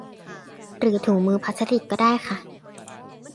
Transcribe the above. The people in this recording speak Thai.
หรือถุงมือพลาสติกก็ได้ค่ะ